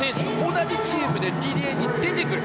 同じチームでリレーに出てくる。